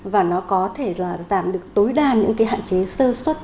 và nó có thể giảm được tối đa những hạn chế sơ xuất